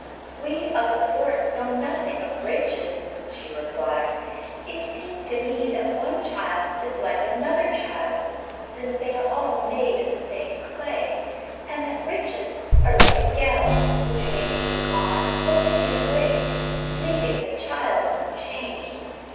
"We of the Forest know nothing of riches," she replied. "It seems to me that one child is like another child, since they are all made of the same clay, and that riches are like a gown, which may be put on or taken away, leaving the child unchanged.